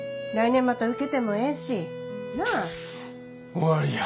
終わりや。